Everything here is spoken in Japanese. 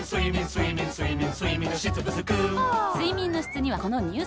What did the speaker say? ふぁ睡眠の質にはこの乳酸菌。